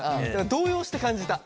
動揺して感じた。